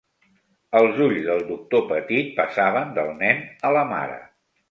El ulls del doctor Petit passaven del nen a la mare.